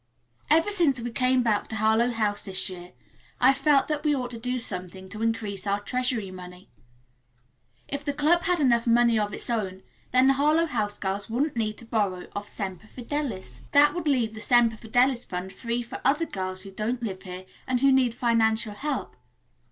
"Ever since we came back to Harlowe House this year I've felt that we ought to do something to increase our treasury money. If the club had enough money of its own, then the Harlowe House girls wouldn't need to borrow of Semper Fidelis. That would leave the Semper Fidelis fund free for other girls who don't live here and who need financial help.